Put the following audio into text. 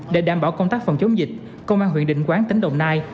để đảm bảo công tác phòng chống dịch công an huyện định quán tỉnh đồng nai